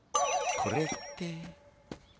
これって。